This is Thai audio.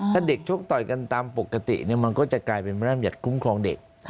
ถ้าเด็กชกต่อยกันตามปกติมันก็จะกลายเป็นพระราชบัญญัติคุ้มครองเด็ก